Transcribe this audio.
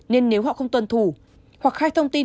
nên nếu họ không tuân thủ hoặc khai thông tin